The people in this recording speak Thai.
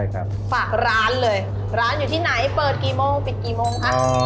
ฝากร้านเลยร้านอยู่ที่ไหนเปิดกี่โมงปิดกี่โมงคะ